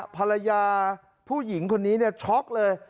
ภรรยาผู้หญิงคนนี้เนี่ยช็อคเลย